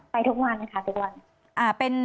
ทุกวันค่ะทุกวัน